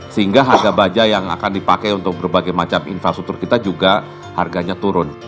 sehingga harga baja yang akan dipakai untuk berbagai macam infrastruktur kita juga harganya turun